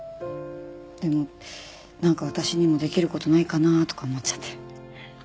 でもなんか私にもできる事ないかなとか思っちゃって。